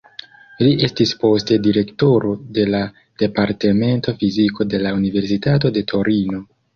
Li estis poste direktoro de la Departemento Fiziko de la Universitato de Torino.